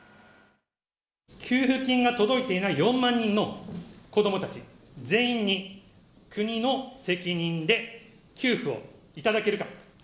給付金が届いていない４万人の子どもたち全員に、国の責任で給付をいただけるか。